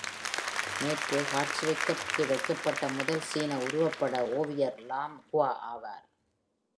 மேற்கே காட்சிக்கு வைக்கப்பட்ட முதல் சீன உருவப்பட ஓவியர் லாம் குவா ஆவார்.